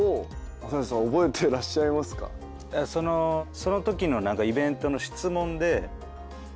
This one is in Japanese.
そのときのイベントの質問で。